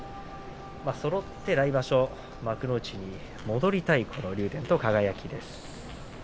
そろって来場所幕内に戻りたい竜電と輝です。